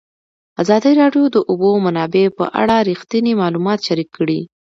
ازادي راډیو د د اوبو منابع په اړه رښتیني معلومات شریک کړي.